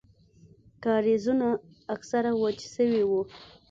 کاريزونه اکثره وچ سوي وو.